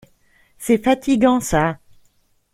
C’est fatigant ça.